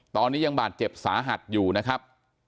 ตอนนี้ยังบาดเจ็บสาหัสอยู่นะครับ